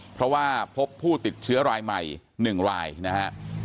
เพราะว่าพบผู้ติดเชื้อรายใหม่๑รายนะฮะ